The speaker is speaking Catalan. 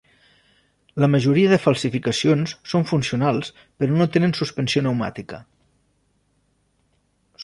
La majoria de falsificacions són funcionals però no tenen suspensió neumàtica.